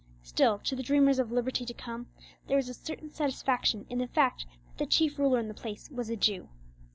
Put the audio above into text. Still, to the dreamers of liberty to come, there was a certain satisfaction in the fact that the chief ruler in the palace was a Jew.